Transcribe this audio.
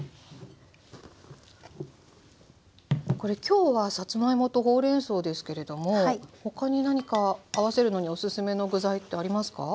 これ今日はさつまいもとほうれんそうですけれども他に何か合わせるのにおすすめの具材ってありますか？